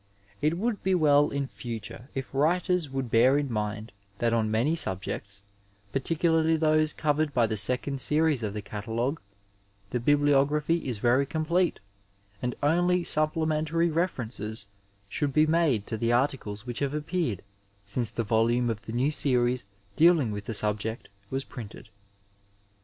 It would be well in future if writers would bear in mind that on many subjects, particularly those covered by the second series of the Catalogue, the biblio graphy is very complete, and only supplementary refer ences should be made to the articles which ha ve appeared since the volume of the new series dealing with the subject was printed.